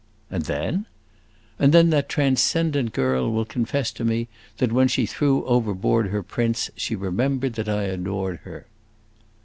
"And then?" "And then that transcendent girl will confess to me that when she threw overboard her prince she remembered that I adored her!"